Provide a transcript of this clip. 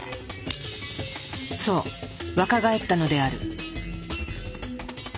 そう若返ったのである。